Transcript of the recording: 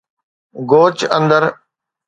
گوچ اندر